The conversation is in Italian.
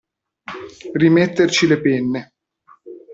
Rimetterci le penne.